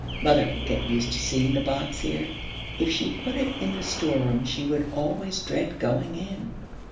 Mother will get used to seeing the box here. If she put it in the storeroom she would always dread going in.'